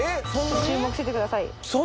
注目しててください。